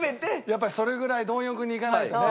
やっぱりそれぐらい貪欲にいかないとね。